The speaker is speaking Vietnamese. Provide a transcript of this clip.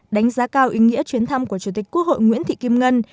đánh giá cao ý nghĩa chuyến thăm của chủ tịch quốc hội nguyễn thị kim ngân